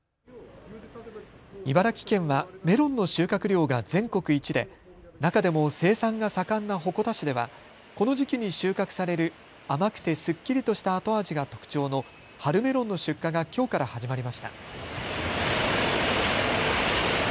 茨城県はメロンの収穫量が全国一で中でも生産が盛んな鉾田市ではこの時期に収穫される甘くてすっきりとした後味が特徴の春メロンの出荷がきょうから始まりました。